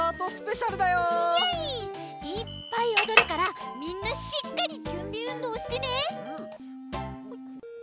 いっぱいおどるからみんなしっかりじゅんびうんどうしてね！